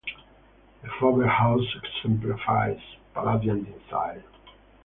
The Faber House exemplifies Palladian design.